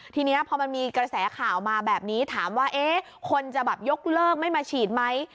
ทีนี้พอมันมีกระแสข่าวมาแบบนี้ถามว่าเอ๊ะคนจะแบบยกเลิกไม่มาฉีดไหม